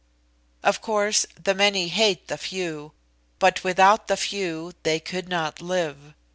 Of course the many hate the few, but without the few they could not live.